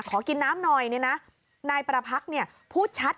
ขอกินน้ำหน่อยเนี่ยนะนายประพักษ์เนี่ยพูดชัด